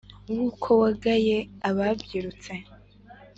wuko wagaye ababyirutse